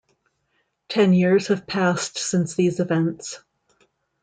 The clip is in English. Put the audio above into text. Ten years have passed since these events.